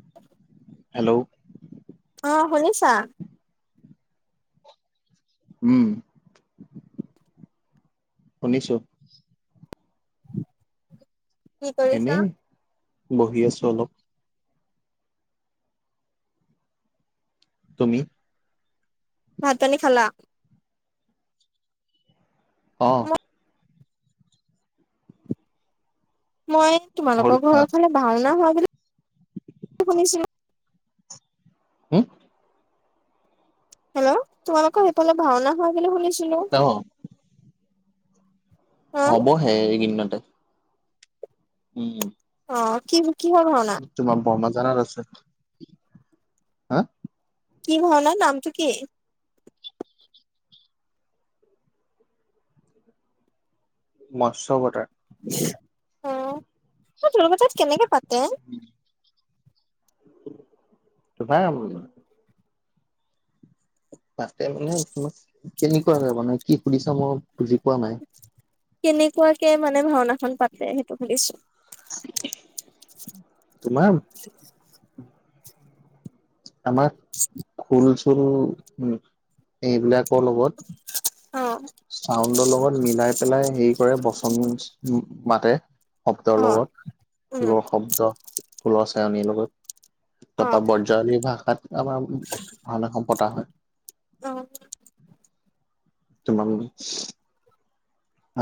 [inaudible] Hello. অ', শুনিছা। উম। শুনিছো। কি কৰিছা এনেই বহি আছো অলপ। তুমি। ভাত পানী খেলা। অ'। মই হ'ল তোমালোকৰ খোৱা ঘৰৰ ফালে ভাওনা হোৱা বুলি শুনিছিলো। হম। হেল্ল', তোমালোকৰ সেইফালত ভাওনা হোৱা বুলি শুনিছিলো। অ অ হ'ব হে এইকেদিনতে। উম। অ', কি কিহৰ ভাওনা। তোমাৰ বোমা জানত আছে। হা। কি ভাওনা নামটো কি। মৎস্য অবতাৰ। [unintelligible] অ', তোমালোকৰ তাত কেনেকে পাতে। [inaudible] [inaudible] তাতে মানে তোমাক কেনেকুৱা হয় মানে কি সুধিছা মই বুজি পোৱা নাই। কেনেকুৱাকে মানে ভাওনা খন পাতে সেইটো সুধিছো। তোমাৰ আমাৰ, গৰু সৰু উম। এইবিলাকৰ লগত। অ চাউণ্ডৰ লগত মিলাই পেলাই হেৰি কৰে বচন মাতে। শব্দৰ অ লগত, উম ফুলৰ শব্দ ফুলৰ চায়নীৰ লগত অ তাৰপা বো জাৱলী ভাষাত আমাৰ ভাওনা খন পতা হয়। অ'। তোমাক।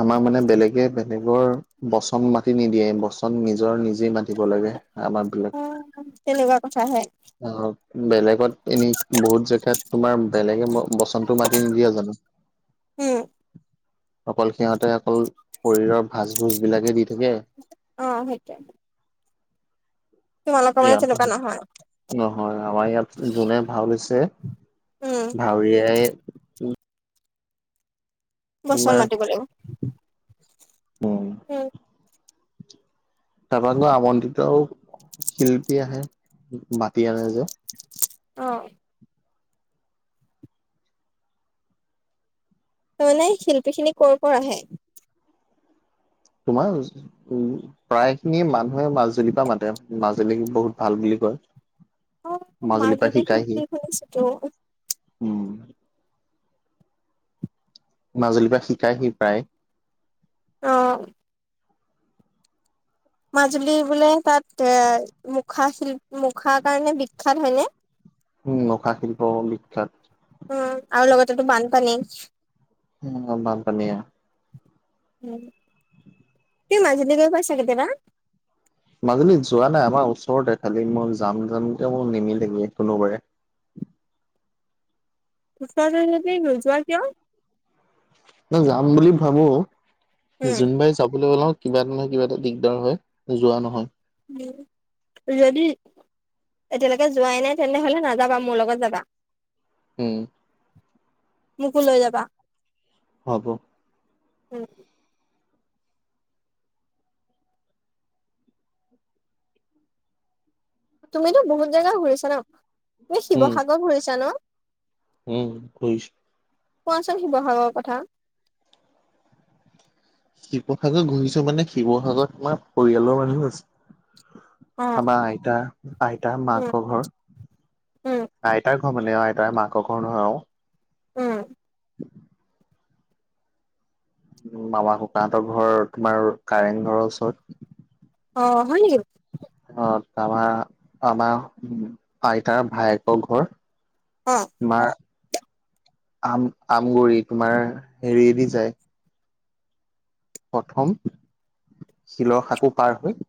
আমাৰ মানে বেলেগে বেলেগৰ বচন মাতি নিদিয়ে বচন নিজৰ নিজে মাতিব লাগে আমাৰ। অ', তেনেকুৱা কথা হে। অ', বেলেগত এনে বহুত জেগাত তোমাৰ বেলেগে বচনতো মাতি নিদিয়ে জানো। উম। অকল সিহঁতে অকল খৰিহো ভাস ভুস বিলাকে দি থাকে। অ', সেইটোযে মানে তেনেকুৱা ইয়াতটো, নহয় নহয় আমাৰ ইয়াত যোনে ভাও লৈছে উম ভাউৰীয়াই। বচন তোমাৰ মাতিব লাগিব। উম। তাৰপৰা গৈ, আমন্ত্ৰিত শিল্পী আহে, মাতি আনে যে। অ'। মানে শিল্পী খিনি ক'ৰ ক'ৰ আহে? তোমাৰ উম, প্ৰায় খিনি মানুহে মাজুলীৰ পৰা মাতে, মাজুলী খিনি বহুত ভাল বুলি কয়। অ', মাজুলীৰ পৰা মাজুলী শিকাইহি শিল্পী শুনিছোঁটো। মাজুলীৰ পৰা শিকাইহি প্ৰায়। অ'। মাজুলী বোলে তাত এ, মুখা শিল, মুখাৰ কাৰণে বিখ্যাত হয়নে? [inaudible] উম, মুখা শিল্প বিখ্যাত। উম, আৰু লগতে তো বানপানী। উম, বানপানী। উম, তুমি মাজুলি গৈ পাইছা কেতিয়াবা? মাজুলীত যোৱা নাই, আমাৰ ওচৰতে, খালি মই যাম যামকে মোৰ নিমিলেগে কোনোবাৰে। ওচৰতে যদি নোযোৱা কিয়? মনে যাম বুলি ভাবো, উম, যোনবাৰে যাবলৈ ওলাওঁ কিবা এটা নহয় কিবা এটা দিগদাৰ হয়, যোৱা নহয়। উম, যদি। এতিয়ালেকে যোৱাই নাই তেনে হ'লে নাযাবা, মোৰ লগত যাবা। উম। মোকো লৈ যাবা। হ'ব। উম। তুমিতো বহুত জাগা ঘুৰিছা ন', তুমি উম শিৱসাগৰ ঘুৰিছা ন? উম, ঘুৰিছোঁ। কোৱাচোন শিৱসাগৰৰ কথা। শিৱসাগৰ ঘুৰিছো মানে, শিৱসাগৰত তোমাৰ পৰিয়ালৰ মানুহ আছে। অ', আমাৰ আইতা, আইতা উম, মাকৰ ঘৰ। উম, আইতাৰ ঘৰ মানে, আইতাৰ মাকৰ ঘৰ নহয় আৰু। উম। মামা, ককাহঁতৰ ঘৰ, তোমাৰ কাৰেং ঘৰৰ ওচৰত। অ', হয় নেকি? অ', আমাৰ, আমাৰ আইতাৰ ভায়েকৰ ঘৰ। অঁ। তোমাৰ, আম আমগুৰি, তোমাৰ হেৰিয়েদি যায়। প্ৰথম, শিলৰ শাকো পাৰ হৈ।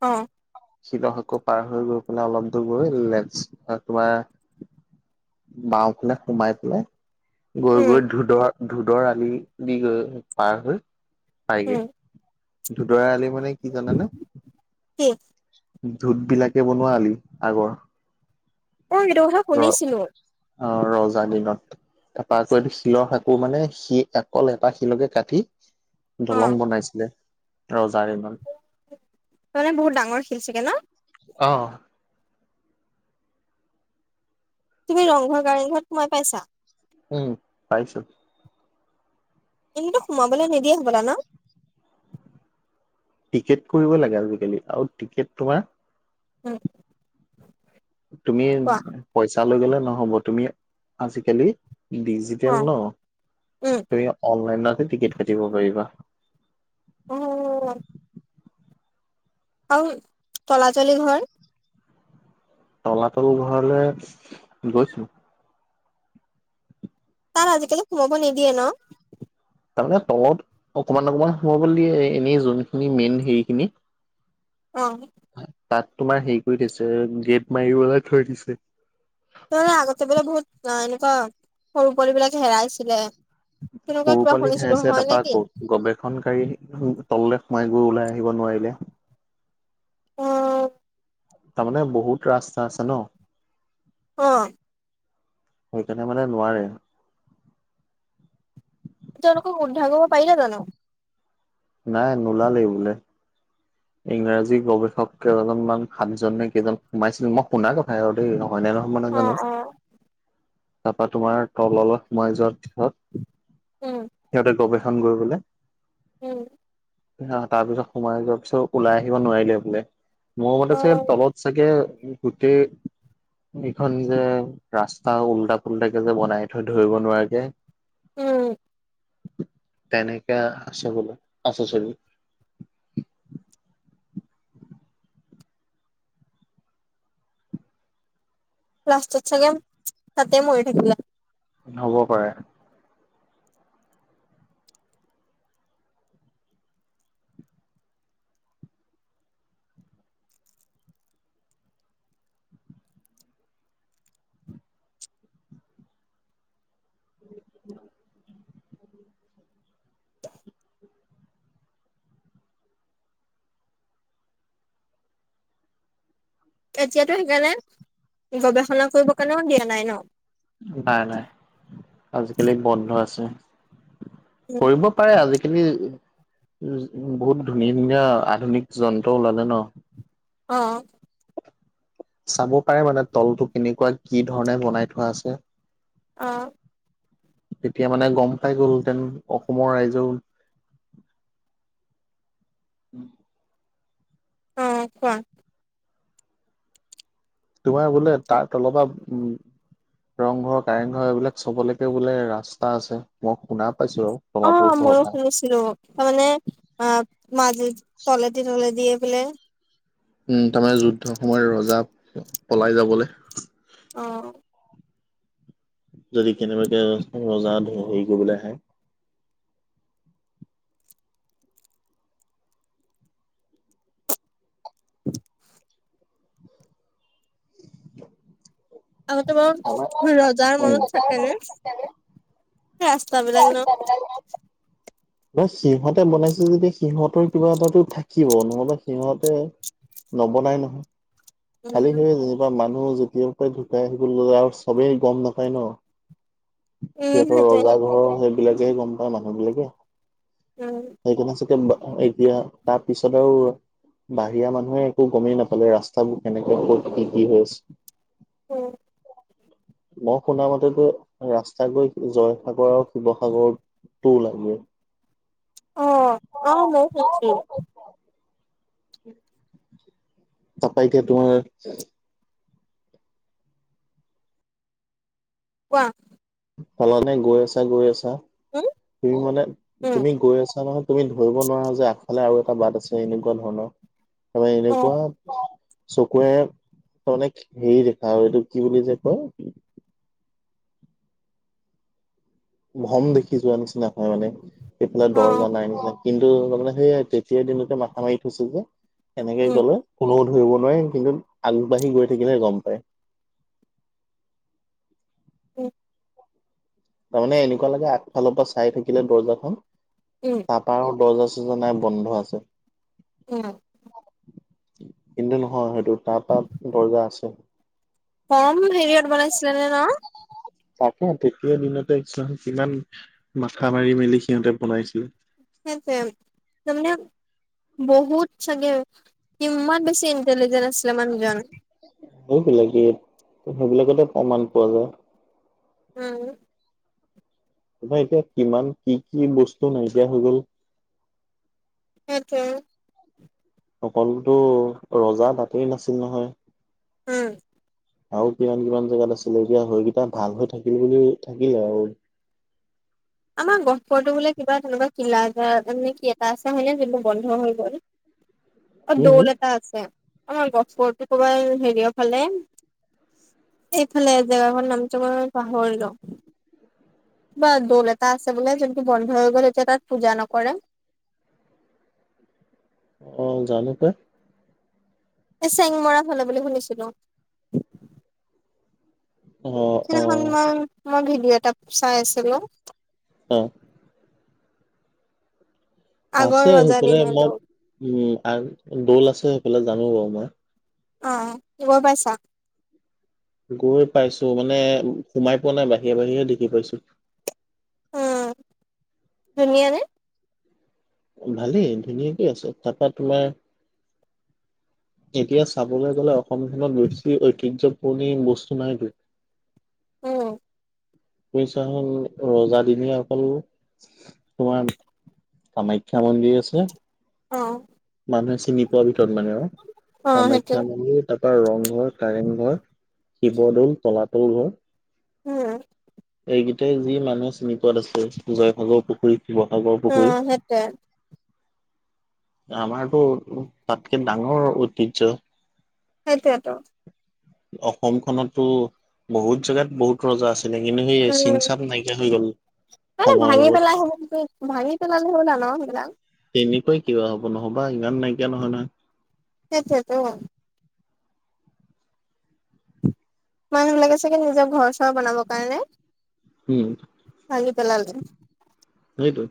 অ'। শিৱসাগৰ পাৰ হৈ গৈ পেলাই অলপ দূৰ গৈ লেফ্ট ছাইড তোমাৰ বাওঁ ফালে সোমাই পেলাই গৈ উম, গৈ, ধোদৰ, ধোদৰ আলি দি গৈ পাৰ হৈ পায়গে। উম, ধুদৰ আলি মানে কি জানানে? কি? ধোত বিলাকে বনোৱা আলি আগৰ। অ ৰ [unintelligible] ৰ, অ' ৰজা দিনত। তাৰপা এইটো শিলৰ শাকো মানে সি অকল এটা শিলকে কাটি অ দলং বনাইছিলে। ৰজাৰ তাৰমানে বহুত ডাঙৰ শিল চাগে ন দিনত। অ'। তুমি ৰংঘৰ, কাৰেং ঘৰত সোমাই পাইছা? উম, পাইছোঁ। এণ্টো সোমাবলৈ নিদিয়ে হ'বলা ন'? টিকেট কৰিব লাগে আজিকালি আৰু টিকেট তোমাৰ হু। তুমি পইচা লৈ গ'লে নহ'ব তুমি আজিকালি ডিজিটে অ ন' উম তুমি অনলাইনতে টিকট কাটিব পাৰিবা। অ'। আৰু তলাতলি ঘৰ? তলাতল ঘৰলে গৈছোঁ। তাত আজিকালি সোমাব নিদিয়ে ন'? তাৰমানে তলত অকমান অকমান সোমাবলৈ দিয়ে, এনেই যোনখিনি মেইন হেৰিখিনি অ'। তাত তোমাৰ হেৰি কৰি থৈছে, গেপ মাৰিবলৈ থৈ দিছে। মানে আগতে বোলে বহুত অ' এনেুৱা সৰু পোৱালীবিলাক হেৰাইছিলে। তেনেকুৱা সৰু কিবা পোৱালি খাই শুনিছিলো আছে হয় তাৰাপা নেকি গ-গৱেষণকাৰী তললৈ সোমাই গৈ ওলাই আহিব নোৱাৰিলে। অ'। তাৰমানে বহুত ৰাস্তা আছে ন'। অ'। সেইকাৰণে মানে নোৱাৰে। তেওঁলোকক উদ্ধাৰ কৰিব পাৰিলে জানো? নাই, নোলালেই বোলে। ইংৰাজী গৱেষক কেইজনমান সাতজন নে কেইজন সোমাইছিল, মই শুনা কথা আৰু দেই, হয় নে নহয় মই অ জানো, অ তাৰপৰা তোমাৰ তললৈ সোমাই যোৱাৰ পিছত উম। সিহঁতে গৱেষণ কৰিবলে। উম। তাৰপিছত সোমাই যোৱাৰ পিছত ওলাই আহিব নোৱাৰিলে বোলে। মোৰ মতে অ চাগে তলত চাগে গোটেই এইখন যে ৰাস্তা উল্টা পুল্টাকে যে বনাই থয় ধৰিব নোৱাৰাকে উম। তেনেকে আছে বোলো, আছে চবি। লাষ্টত চাগে ছাগে তাতে মৰি থাকিলে। হ'ব পাৰে। [inaudible] এতিয়াতো সেইকাৰণে গৱেষণা কৰিব কাৰণেও দিয়া নাই ন'? নাই নাই, আজিকালি বন্ধ আছে। উম, কৰিব পাৰে, আজিকালি উ, বহুত ধুনীয়া ধুনীয়া, আধুনিক যন্ত্ৰ ওলালে ন'। অ'। চাব পাৰে মানে তলটো কেনেকুৱা, কি ধৰণে বনাই থোৱা আছে। অ'। তেতিয়া মানে গম পাই গ'লহেতেন অসমৰ ৰাইজেও উম। অ', কোৱা। তোমাৰ বোলে তাৰ তলৰ পা উম। ৰংঘৰ কাৰেংঘৰ এইবিলাক চবলৈকে বোলে ৰাস্তা আছে। মই শুনা পাইছো আৰু তলাতল [unintelligible] হেল্ল' তাৰ মানে অহ মাজেদি তলেদি তলেদি পেলে উম তাৰমানে যুদ্ধ সময়ত ৰজা পলাই যাবলে। অ'। যদি কেনেবাকে ৰজা হেৰি কৰিবলৈ আহে। [inaudible] আগতে আমাৰ বাৰু ৰজাৰ উম। মনত থাকেনে, সেই ৰাস্তাবিলাক ন। সিহঁতে বনাইছে যেতিয়া সিহঁতৰ কিবা এটাতো থাকিব নহ'লে সিহঁতে নবনাই নহয়। উম, আজিকালি বা মানুহ যেতিয়াৰ পৰাই ঢুকাই আহিবলৈ ল'লে আৰু চবেই গম নাপায় ন। উম, সিহঁতৰ সেইটোৱে ৰজা ঘৰৰ সেইবিলাকে গম পায় মানুহবিলাকে। উম। সেইকাৰণে চাগে এতিয়া তাৰ পিছত আৰু বাহিৰা মানুহে একো গমেই নাপালে ৰাস্তা বোৰ কেনেকে হ'ল [unintelligible] উম। মই শুনা মতেটো ৰাস্তা গৈ জয়সাগৰ আৰু শিৱসাগৰ তো ওলাই গৈ। অ', অ', মইয়ো খাইছে। তাৰ পৰা এতিয়া তোমাৰ কোৱা। সমানে গৈ আছা গৈ আছা উম, তুমি মানে উম, তুমি গৈ আছা নহয় তুমি ধৰিব নোৱাৰা যে আগফালে আৰু এটা বাট আছে এনেকুৱা ধৰণৰ আৰু এনেকুৱা অ', চকুৰে অনেক হেৰি দেখা আৰু এইটো কি বুলি যে কয় ভ্ৰম দেখি যোৱা নিচিনা হয় মানে। এইফালে অ', দৰ্জা নাই নিচিনা কিন্তু মানে সেইয়ায়ে তেতিয়াৰ দিনতে মাথা মাৰি থৈছো যে এনেকে উম, গ'লে কোনেও ধৰিব নোৱাৰে কিন্তু আগবাঢ়ি গৈ থাকিলে গম পায়। উম। তাৰমানে এনেকুৱা লাগে আগফালৰ পৰা চাই থাকিলে দৰ্জাখন উম। তাৰপৰা আৰু দৰ্জা চৰ্জা নাই বন্ধ আছে। উম। কিন্তু নহয় সেইটো তাৰপৰা দৰ্জা আছে। কম হেৰিয়ত বনাইছিলেনে ন! তাকে তেতিয়া দিনতে কিছুমান কিমান মাথা মাৰি মেলি সিহঁতে বনাইছিল। সেইটোয়ে তাৰ মানে বহুত চাগে কিমান বেছি ইণ্টেলিজেন্ট আছিলে মানুহজন। সেইবিলাকেই সেইবিলাকতে প্ৰমাণ পোৱা যায়। উম। তাৰপৰা এতিয়া কিমান কি কি বস্তু নাইকিয়া হৈ গ'ল। সেইটোয়ে। অকলতো ৰজা তাতেই নাছিল নহয়। উম। আৰু কিমান, কিমান জেগাত আছিলে এতিয়া সেইকেইটা, ভাল হৈ থাকিল বুলি থাকিলে আৰু। আমাৰ গহপুৰটো বোলে কিবা, তেনেকুৱা কিলাগাৰনে কি এটা আছে হয়নে, যোনটো বন্ধ হৈ গ'ল। অ', হম হম দৌল এটা আছে, আমাৰ গহপুৰটো ক'বাত হেৰিয় ফালে। এইফালে জেগা দুখৰ নামটো মই পাহৰিলো। বা দৌল এটা আছে বোলে, যোনটো বন্ধ হৈ গ'ল এতিয়া তাত পূজা নকৰে। অ', জানো পায়। চেংমৰা ফালে বুলি শুনিছিলোঁ। অ'। অ মই, মই ভিডিঅ' এটা চাই আছিলো। অ'। আগৰ আছে ৰজা সেইফালে দিনীয়া মই, দৌল উম, দৌল আছে সেইফালে জানো বাৰু মই। অ' গম পাইছা। গৈ পাইছো, মানে সোমাই পোৱা নাই বাহিৰে বাহিৰে দেখি পাইছো। উম, ধুনীয়া নে? ভালেই ধুনীয়াকে আছে, তাৰ পৰা তোমাৰ এতিয়া চাবলৈ গ'লে অসমখনত বেছি ঐতিহ্য পূৰ্ণি বস্তু নাইতো। অ'। পইছা হ'ল, ৰজাদিনীয়া অকল তোমাৰ কামাখ্যা মন্দিৰ আছে। অ মানুহে চিনি পোৱাৰ ভিতৰত মানে অ', অ সেইটোৱে কামাখ্যা মন্দিৰ তাৰ পৰা ৰংঘৰ, কাৰেং ঘৰ, শিৱদৌল তলাতল ঘৰ উম। এইকেইটাই যি মানুহে চিনি পোৱাত আছে, জয়সাগৰ পুখুৰী। শিৱসাগৰ অ পুখুৰী। সেইটোৱে আমাৰতো, তাতকে ডাঙৰ ঐতিয্য। সেইটোৱেটো। অসমখনতটো বহুত জেগাত, বহুত ৰজা আছে। চিন উম, চাপ নাইকিয়া হৈ গ'ল। মানে সময়ৰ ভাঙি লগত পেলাই, ভাঙি পেলালে হ'লা ন সেইিবিলক। [unintelligible] তেনেকৈ কিবা হ'ব, নহবা ইমান নাইকিয়া নহয় নহয়। সেইেটোৱেটো। মানুহবিলাকে চাগে, নিজৰ ঘৰ-চৰ বনাবৰ কাৰণে উম, ভাঙি পেলালে। সেইটোৱেটো।।